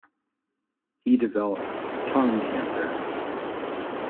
He developed tongue cancer.